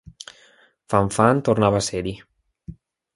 "Fan-Fan" tornava a ser-hi.